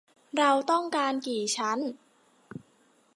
เราต้องการกี่ชั้น ?